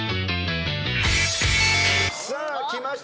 さあきました